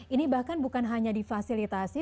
ini bahkan bukan hanya di fasilitasi